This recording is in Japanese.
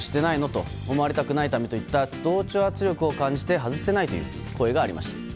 と思われたくないためという同調圧力を感じて外せないという声がありました。